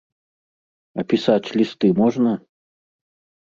А пісаць лісты можна?